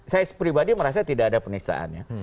saya pribadi merasa tidak ada penistaannya